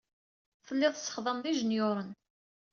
Telliḍ tessexdameḍ ijenyuṛen.